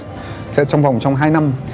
trong vòng trong hai năm